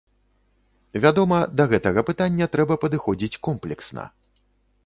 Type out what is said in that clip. Вядома, да гэтага пытання трэба падыходзіць комплексна.